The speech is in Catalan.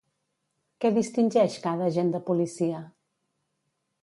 Què distingeix cada agent de policia?